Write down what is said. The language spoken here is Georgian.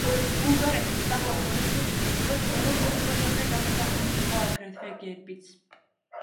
ბულგარეთის სახალხო რესპუბლიკის დროს ეროვნულ დროშაზე გამოსახული იყო აგრეთვე გერბიც.